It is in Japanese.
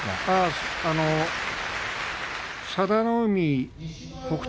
佐田の海北勝